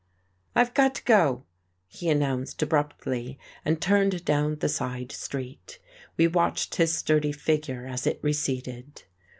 "I've got to go;" he announced abruptly, and turned down the side street. We watched his sturdy figure as it receded.